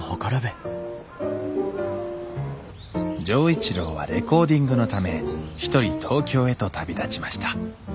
錠一郎はレコーディングのため一人東京へと旅立ちました